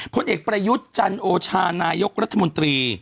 ผลเอกประยุทธ์จันโอชานายกรัฐมนตรี